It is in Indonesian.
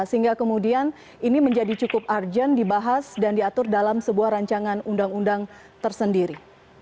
sehingga kemudian ini menjadi cukup urgent dibahas dan diatur dalam sebuah rancangan undang undang tersendiri